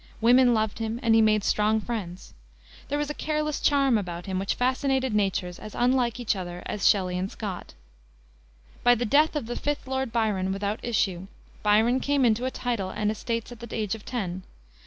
Women loved him, and he made strong friends. There was a careless charm about him which fascinated natures as unlike each other as Shelley and Scott. By the death of the fifth Lord Byron without issue, Byron came into a title and estates at the age of ten.